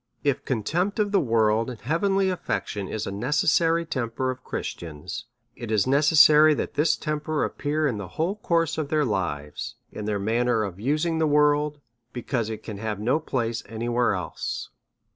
If contempt of the world and heavenly affection is a necessary temper of Christians, it is necessary that this temper appear in the whole course of their lives, in their manner of using the world, because it can have no place any where else. DEVOUT AND HOLY LIFE.